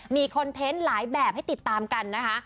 มีคอนเทนต์หลายแบบให้ติดตามกันนะคะ